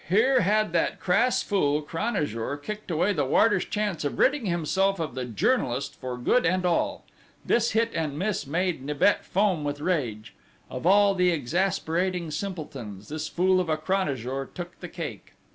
Here had that crass fool, Cranajour, kicked away the warder's chance of ridding himself of the journalist for good and all! This hit and miss made Nibet foam with rage. Of all the exasperating simpletons, this fool of a Cranajour took the cake!